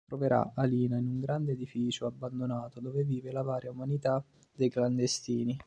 Troverà Alina in un grande edificio abbandonato dove vive la varia umanità dei clandestini.